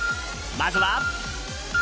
まずは。